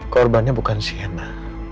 korbannya bukan sienna